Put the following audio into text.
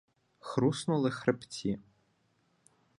Хруснули хребці.